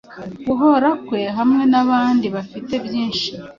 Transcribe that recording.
Guhora kwe, hamwe nabandi bafite byinhi